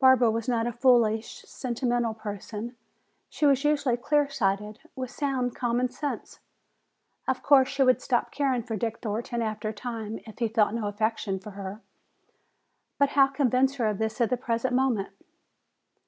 Barbara was not a foolish, sentimental person; she was usually clear sighted, with sound common sense. Of course, she would stop caring for Dick Thornton after a time if he felt no affection for her. But how convince her of this at the present moment?